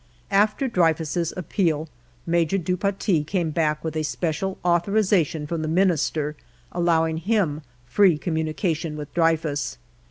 After Dreyfus' appeal, Major du Paty came back with a special authorization from the Minister allowing him free communication with Dreyfus.